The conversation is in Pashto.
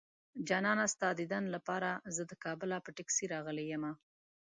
جانانه ستا ديدن لپاره زه د کابله په ټکسي راغلی يمه